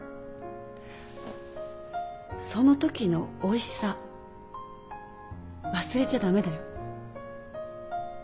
そのときのおいしさ忘れちゃ駄目だよ。